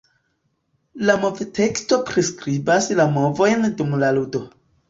La movteksto priskribas la movojn dum la ludo.